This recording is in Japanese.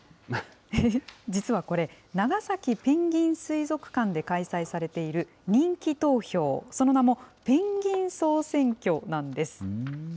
実はこれ、長崎ペンギン水族館で開催されている人気投票、その名も、ペンギン総選挙なんです。